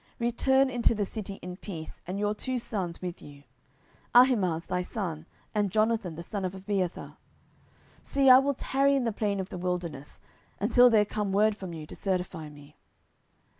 return into the city in peace, and your two sons with you, Ahimaaz thy son, and Jonathan the son of Abiathar. 10:015:028 See, I will tarry in the plain of the wilderness, until there come word from you to certify me.